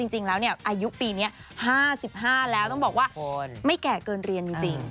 จริงแล้วอายุปีนี้๕๕แล้วต้องบอกว่าไม่แก่เกินเรียนจริง